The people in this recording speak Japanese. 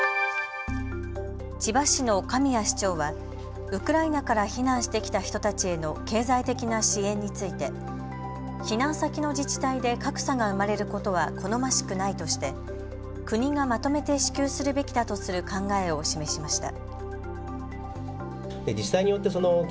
千葉市の神谷市長はウクライナから避難してきた人たちへの経済的な支援について避難先の自治体で格差が生まれることは好ましくないとして国がまとめて支給するべきだとする考えを示しました。